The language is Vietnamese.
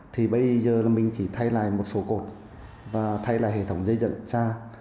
thì bây giờ mình chỉ thay lại một số cột và thay lại hệ thống dây dẫn ra